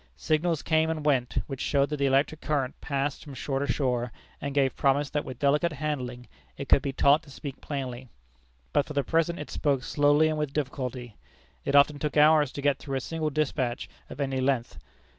Signals came and went, which showed that the electric current passed from shore to shore, and gave promise that with delicate handling it could be taught to speak plainly. But for the present it spoke slowly and with difficulty. It often took hours to get through a single despatch of any length.